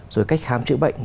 rồi cách khám chữa bệnh